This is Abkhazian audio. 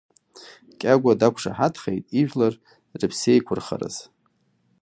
Кьагәа дақәшаҳаҭхеит, ижәлар рыԥсеиқәырхараз.